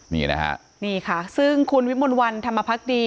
นี่นะฮะนี่ค่ะซึ่งคุณวิมลวันธรรมพักดี